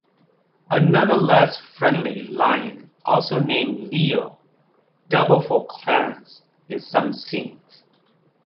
Another less-friendly lion, also named Leo, doubled for Clarence in some scenes.